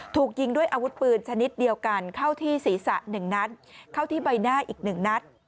ถูกยิงด้วยอาวุธปืนชนิดเดียวกันเข้าที่ศีรษะ๑นัดเข้าที่ใบหน้าอีกหนึ่งนัด